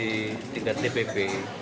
di tingkat dpd